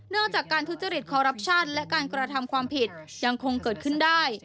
จากการทุจริตคอรัปชั่นและการกระทำความผิดยังคงเกิดขึ้นได้